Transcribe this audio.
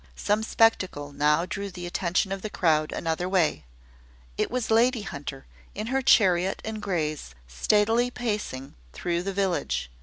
Some spectacle now drew the attention of the crowd another way. It was Lady Hunter, in her chariot and greys, statelily pacing through the village.